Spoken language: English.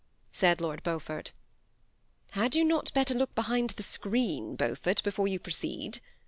said Lord Beau fort." '''Had you not better look behind that screen, Beau fort, before jou proceed